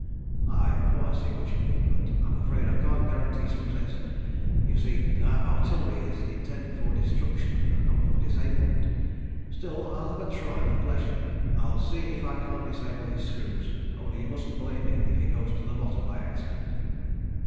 "I quite see what you mean, but I'm afraid I can't guarantee success. You see, our artillery is intended for destruction, and not for disablement. Still I'll have a try with pleasure. I'll see if I can't disable his screws, only you mustn't blame me if he goes to the bottom by accident."